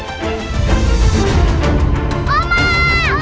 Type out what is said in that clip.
saya bilang diam kamu